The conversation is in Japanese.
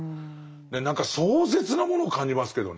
何か壮絶なものを感じますけどね。